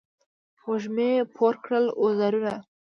وږمې پور کړل وزرونه